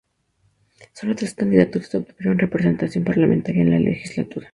Solo tres candidaturas obtuvieron representación parlamentaria en la legislatura.